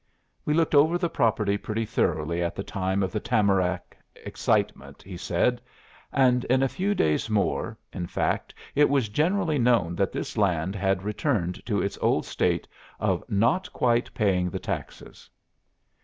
'We looked over the property pretty thoroughly at the time of the Tamarack excitement,' he said. And in a few days more, in fact, it was generally known that this land had returned to its old state of not quite paying the taxes."